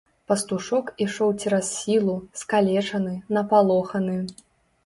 Пастушок ішоў цераз сілу, скалечаны, напалоханы.